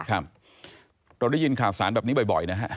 เราได้ยินข่าวสารแบบนี้บ่อยนะฮะ